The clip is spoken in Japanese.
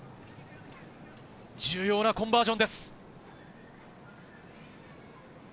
重要なコンバージョンです。